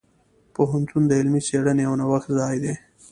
پوهنتون د علمي څیړنې او نوښت ځای دی.